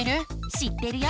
知ってるよ！